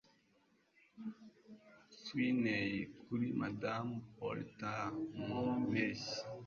Sweeney kuri Madamu Porter mu mpeshyi